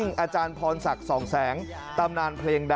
และก็มีการกินยาละลายริ่มเลือดแล้วก็ยาละลายขายมันมาเลยตลอดครับ